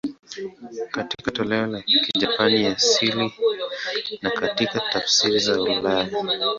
Katika toleo la Kijapani asili na katika tafsiri za ulaya.